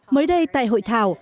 mới đây tại hội thảo